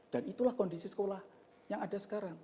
dan itulah kondisi sekolah yang ada sekarang